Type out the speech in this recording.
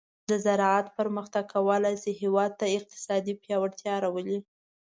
د زراعت پرمختګ کولی شي هیواد ته اقتصادي پیاوړتیا راولي.